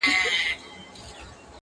ځوانه د لولیو په بازار اعتبار مه کوه٫